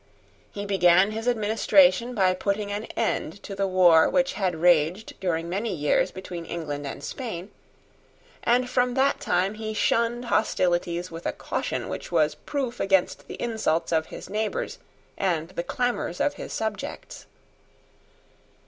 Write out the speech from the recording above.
He began his administration by putting an end to the war which had raged during many years between England and Spain; and from that time he shunned hostilities with a caution which was proof against the insults of his neighbours and the clamours of his subjects.